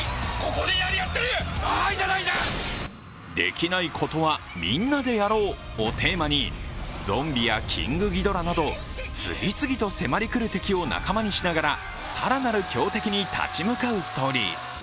できないことは、みんなでやろうをテーマにゾンビやキングギドラなど次々と迫り来る敵を仲間にしながら更なる強敵に立ち向かうストーリー。